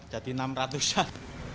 jadi enam ratusan